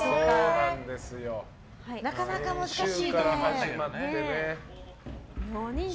なかなか難しいよね。